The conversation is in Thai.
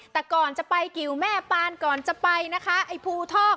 แต่ก่อนจะไปกิวแม่ปานก่อนจะไปนะคะไอ้ภูทอก